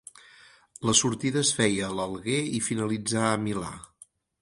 La sortida es feia a l'Alguer i finalitzà a Milà.